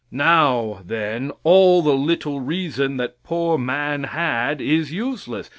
Now, then, all the little reason that poor man had is useless.